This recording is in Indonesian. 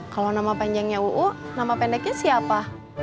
kalau nama panjangnya uu nama pendeknya siapa